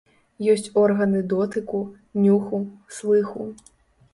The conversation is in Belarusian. Есць органы дотыку, нюху, слыху.